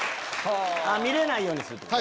見れないようにするってこと？